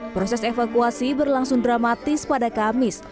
proses evakuasi berlangsung dramatis pada kamis